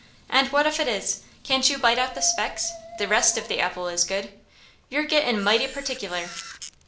"And what if it is? Can't you bite out the specks? The rest of the apple is good. You're gettin' mighty particular."